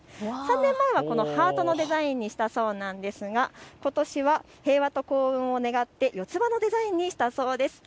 ３年前はハートのデザインにしたそうですがことしは平和と幸運を願って四つ葉のデザインにしたそうです。